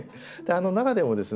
中でもですね